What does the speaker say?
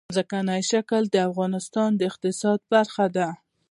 ځمکنی شکل د افغانستان د اقتصاد برخه ده.